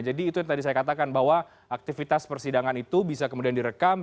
jadi itu yang tadi saya katakan bahwa aktivitas persidangan itu bisa kemudian direkam